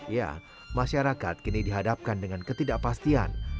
ya masyarakat kini dihadapkan dengan ketidakpastian